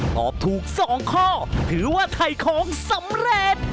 ตอบถูก๒ข้อถือว่าถ่ายของสำเร็จ